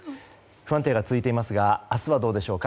不安定が続いていますが明日はどうでしょうか。